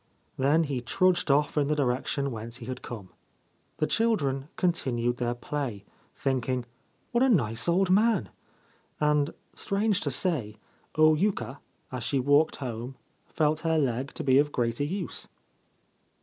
Then he trudged off in the direction whence he had come. The children continued their play, thinking ' What a nice old man !' And, strange to say, O Yuka, as she walked home, felt her leg to be of greater use.